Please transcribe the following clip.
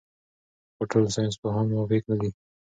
خو ټول ساینسپوهان موافق نه دي.